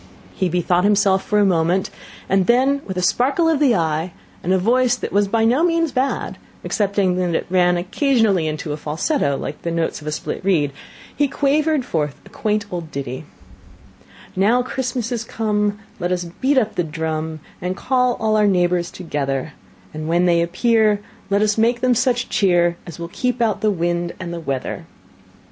He bethought himself for a moment, and then, with a sparkle of the eye, and a voice that was by no means bad, excepting that it ran occasionally into a falsetto, like the notes of a split reed, he quavered forth a quaint old ditty: "Now Christmas is come, Let us beat up the drum, And call all our neighbours together; And when they appear, Let us make them such cheer As will keep out the wind and the weather," etc.